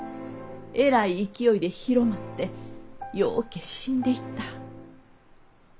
えらい勢いで広まってようけ死んでいった。